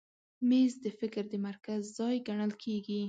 مېز د فکر د مرکز ځای ګڼل کېږي.